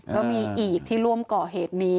ก็มีอีกที่ร่วมก่อเหตุนี้